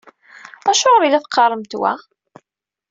Acuɣer i la teqqaremt wa?